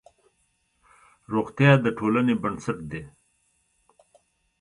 روغتیا د ټولنې بنسټ دی.